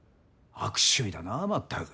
悪趣味だなぁまったく。